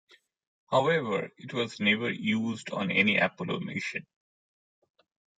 However, it was never used on any Apollo mission.